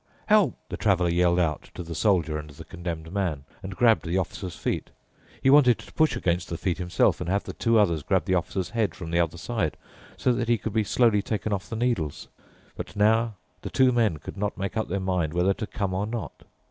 "Help," the Traveler yelled out to the Soldier and the Condemned Man and grabbed the Officer's feet. He wanted to push against the feet himself and have the two others grab the Officer's head from the other side, so he could be slowly taken off the needles. But now the two men could not make up their mind whether to come or not.